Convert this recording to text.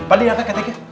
pade angkat kakeknya